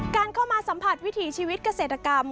การเข้ามาสัมผัสวิถีชีวิตเกษตรกรรม